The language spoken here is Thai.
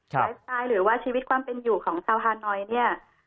ไลฟ์สไตล์หรือว่าชีวิตความเป็นอยู่ของชาวฮานอยเนี่ย